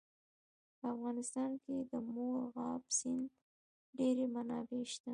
په افغانستان کې د مورغاب سیند ډېرې منابع شته.